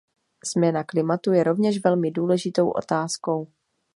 Změna klimatu je rovněž velmi důležitou otázkou.